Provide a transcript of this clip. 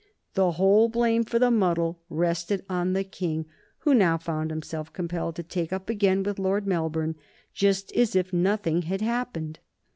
The whole blame for the muddle rested on the King, who now found himself compelled to take up again with Lord Melbourne just as if nothing had happened.